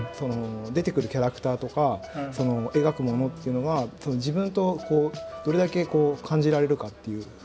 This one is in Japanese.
出てくるキャラクターとか描くものっていうのは自分とどれだけ感じられるかっていう。